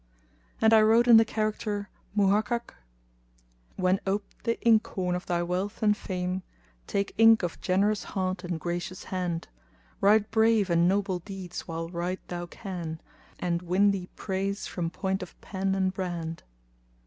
And I wrote in the character Muhakkak[FN#235]:— When oped the inkhorn of thy wealth and fame * Take ink of generous heart and gracious hand; Write brave and noble deeds while write thou can * And win thee praise from point of pen and brand.